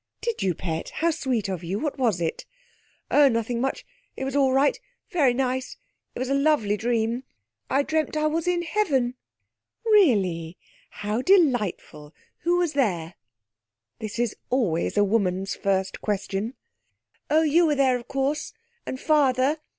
'Did you, pet? How sweet of you. What was it?' 'Oh, nothing much. It was all right. Very nice. It was a lovely dream. I dreamt I was in heaven.' 'Really! How delightful. Who was there?' This is always a woman's first question. 'Oh, you were there, of course. And father.